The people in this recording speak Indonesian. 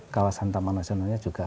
kawasan taman nasionalnya juga